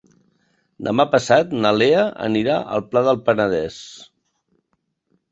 Demà passat na Lea anirà al Pla del Penedès.